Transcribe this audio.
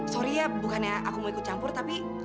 sorry ya bukannya aku mau ikut campur tapi